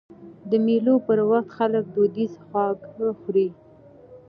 د مېلو پر وخت خلک دودیز خواږه خوري.